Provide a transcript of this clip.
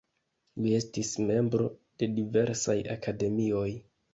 Li estis membro de diversaj akademioj.